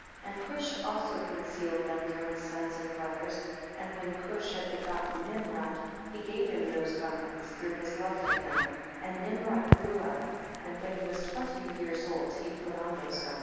29. And Cush also concealed them from his sons and brothers, and when Cush had begotten Nimrod, he gave him those garments through his love for him, and Nimrod grew up, and when he was twenty years eth, Yerach, Hadurom, Ozel, Diklah, ; old he piU on those garments.